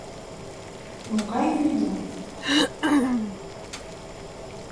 Могай вӱдым?